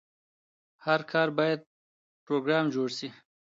هر کار لپاره باید پروګرام جوړ شي.